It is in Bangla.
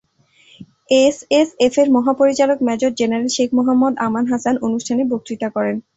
এসএসএফের মহাপরিচালক মেজর জেনারেল শেখ মোহাম্মাদ আমান হাসান অনুষ্ঠানে বক্তৃতা করেন।